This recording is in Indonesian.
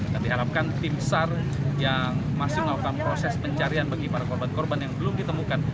dan diharapkan tim sar yang masih melakukan proses pencarian bagi para korban korban yang belum ditemukan